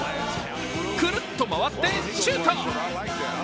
くるっと回ってシュート！